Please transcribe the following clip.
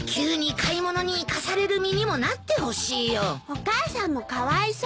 お母さんもかわいそう。